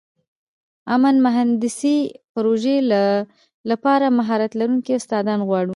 امن مهندسي پروژې لپاره مهارت لرونکي استادان غواړو.